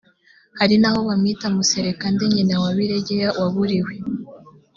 hari n aho bamwita muserekande nyina wa biregeya waburiwe